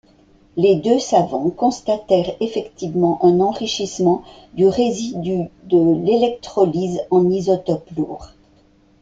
Les deux savants constatèrent effectivement un enrichissement du résidu de l'électrolyse en isotope lourd.